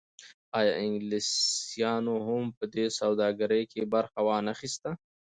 آیا انګلیسانو هم په دې سوداګرۍ کې برخه ونه اخیسته؟